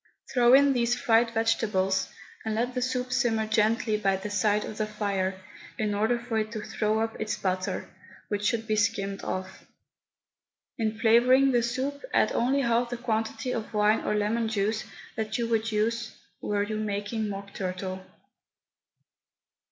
Throw in these fried vegetables, and let the soup simmer gently by the side of the fire, in order for it to throw up its butter, which should be skimmed off. In flavouring the soup, add only half the quantity of wine or lemon juice that you would use were you making Mock Turtle.